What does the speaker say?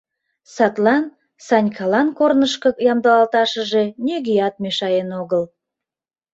Садлан Санькалан корнышко ямдылалташыже нигӧат мешаен огыл.